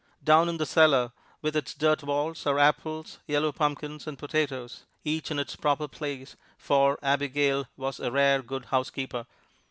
Down in the cellar, with its dirt walls, are apples, yellow pumpkins and potatoes each in its proper place, for Abigail was a rare good housekeeper.